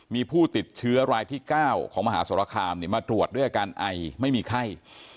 มีผู้ติดเชื้อรายที่๙ของมหาสรคามมาตรวจด้วยอาการไอไม่มีไข้